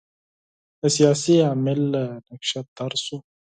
د سیاسي عامل له نقشه تېر شو.